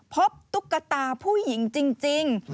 ตุ๊กตาผู้หญิงจริง